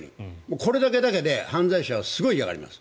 これだけで犯罪者はすごく嫌がります。